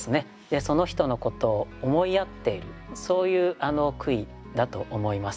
その人のことを思いやっているそういう句意だと思います。